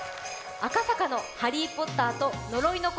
赤坂の「ハリー・ポッターと呪いの子」